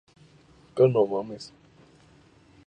Es arborícola y tiene hábitos diurnos.